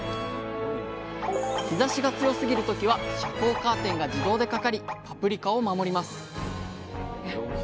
日ざしが強すぎる時は遮光カーテンが自動でかかりパプリカを守ります。